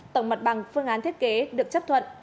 tổng mặt bằng phương án thiết kế được chấp thuận